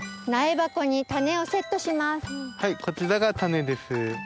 こちらが種です。